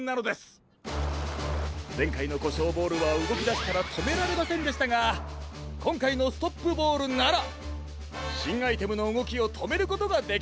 ぜんかいのコショウボールはうごきだしたらとめられませんでしたがこんかいのストップボールならしんアイテムのうごきをとめることができるんです！